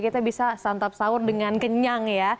kita bisa santap sahur dengan kenyang ya